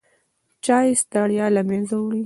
چای ستړیا له منځه وړي.